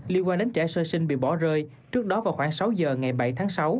liên quan đến trẻ sơ sinh bị bỏ rơi trước đó vào khoảng sáu giờ ngày bảy tháng sáu